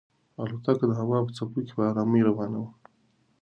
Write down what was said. الوتکه د هوا په څپو کې په ارامۍ روانه وه.